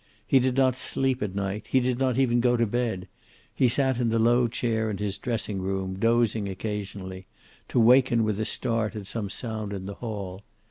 He did not sleep at night. He did not even go to bed. He sat in the low chair in his dressing room, dozing occasionally, to waken with a start at some sound in the hall.